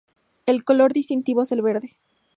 El color distintivo es el verde.